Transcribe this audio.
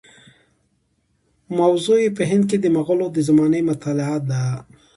موضوع یې په هند کې د مغولو د زمانې مطالعه ده.